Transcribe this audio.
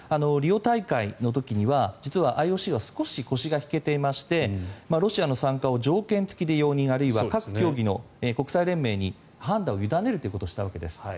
リオ大会の時には、実はＩＯＣは少し腰が引けていましてロシアの参加を条件付きで容認あるいは各競技の国際連盟に判断を委ねるということをしたわけです。